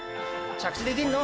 着地できんの？